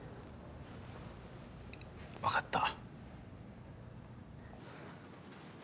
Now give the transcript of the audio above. わかった。